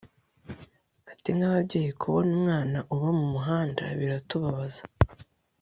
Ati “Nk’ababyeyi kubona umwana uba mu muhanda biratubabaza